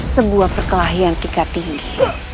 sebuah perkelahian tingkat tinggi